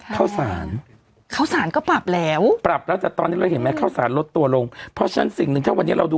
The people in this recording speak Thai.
แค่แบบวันนี้ที่จ้างตากบาด